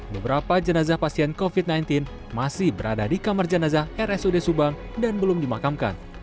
beberapa jenazah pasien covid sembilan belas masih berada di kamar jenazah rsud subang dan belum dimakamkan